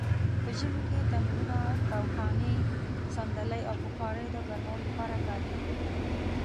په ژمې کې تنرونه؛ تاوخانې؛ صندلۍ او بخارۍ د ګرمولو لپاره کاریږي.